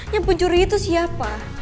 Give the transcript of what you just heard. yang pencuri itu siapa